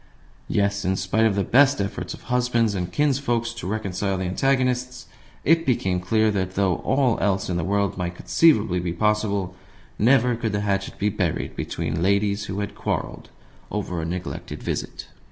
Yes, in spite of the best efforts of husbands and kinsfolk to reconcile the antagonists, it became clear that, though all else in the world might conceivably be possible, never could the hatchet be buried between ladies who had quarrelled over a neglected visit.